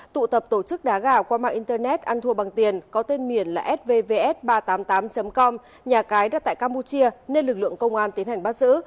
tụ tập tổ chức đá gà qua mạng internet ăn thua bằng tiền có tên miền là svvs ba trăm tám mươi tám com nhà cái đặt tại campuchia nên lực lượng công an tiến hành bắt giữ